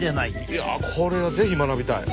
いやこれは是非学びたい。